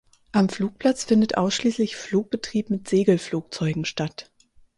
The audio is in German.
Am Flugplatz findet ausschließlich Flugbetrieb mit Segelflugzeugen statt.